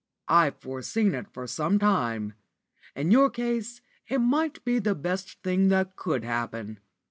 I've foreseen it for some time. In your case it might be the best thing that could happen.